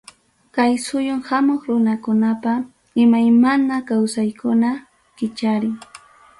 Kay suyum hamuq runakunapa imaymana kawsaykunata kicharin.